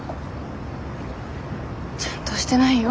ちゃんとしてないよ。